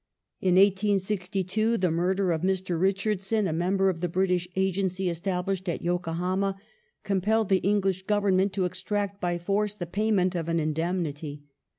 ties in j^ 1862 the murder of Mr. Richai dson, a member of the British Agency established at Yokohama, compelled the English Govern ment to extract by force the payment of an indemnity.